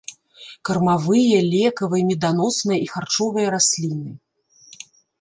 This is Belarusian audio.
Кармавыя, лекавыя, меданосныя і харчовыя расліны.